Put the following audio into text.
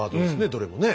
どれもね。